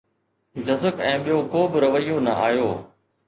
جزڪ ۽ ٻيو ڪو به رويو نه آيو